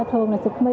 thường là sụp mi